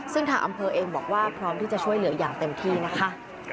ซึ่งทางอำเภอเองบอกว่าพร้อมที่จะช่วยเหลืออย่างเต็มที่นะคะ